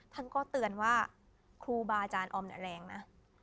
ท่านก็เตือนว่าครูบาอาจารย์ออมเนี่ยแรงนะ